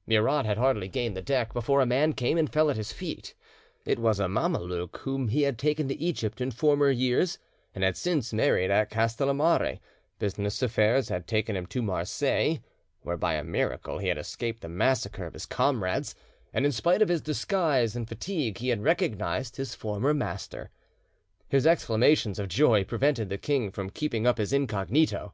] Murat had hardly gained the deck before a man came and fell at his feet: it was a Mameluke whom he had taken to Egypt in former years, and had since married at Castellamare; business affairs had taken him to Marseilles, where by a miracle he had escaped the massacre of his comrades, and in spite of his disguise and fatigue he had recognised his former master. His exclamations of joy prevented the king from keeping up his incognito.